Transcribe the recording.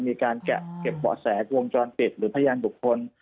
ทั้งหมดชุดสืบสวนมีการเก็บเบาะแสกวงจรปิดหรือพยานบุคคล